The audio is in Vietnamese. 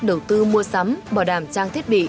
đầu tư mua sắm bỏ đàm trang thiết bị